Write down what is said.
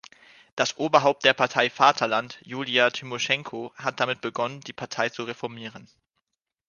Das Oberhaupt der Partei „Vaterland“, Julija Tymoschenko, hat damit begonnen, die Partei zu reformieren.